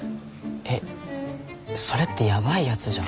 えっそれってやばいやつじゃ。